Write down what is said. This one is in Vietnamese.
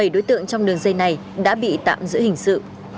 bảy đối tượng trong đường dây này đã bị tạm giữ hình sự